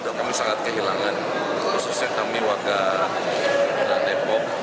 kami sangat kehilangan khususnya kami warga depok